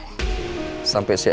tugas kamu belum selesai